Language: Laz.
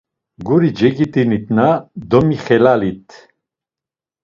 Guri cegit̆initna, domixelalit.